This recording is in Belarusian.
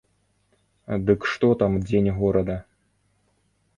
Дык што там дзень горада.